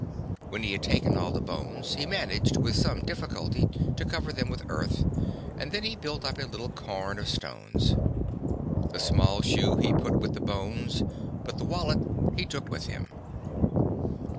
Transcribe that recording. When he had taken all the bones he managed with some difficulty to cover them with earth and then he built up a little cairn of stones. The small shoe he put with the bones, but the wallet he took with him.